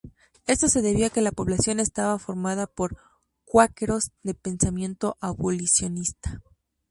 Esto se debió a que la población estaba formada por cuáqueros, de pensamiento abolicionista.